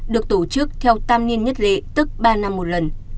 được tổ chức theo tam niên nhất lệ tức ba năm một lần